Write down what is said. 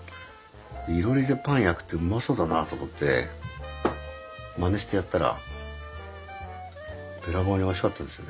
いろりでパン焼くってうまそうだなあと思ってまねしてやったらべらぼうにおいしかったですよね。